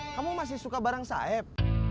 kamu masih suka barang saib